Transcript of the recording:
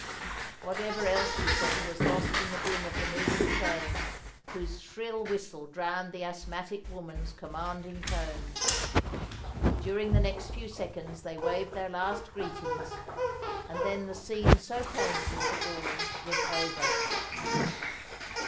What else she said was lost in the din of the moving train whose shrill whistle drowned the asthmatic woman's commanding tones. During the next few seconds they waved their last greetings and then the scene so painful to all was over.